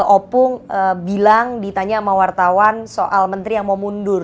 opung bilang ditanya sama wartawan soal menteri yang mau mundur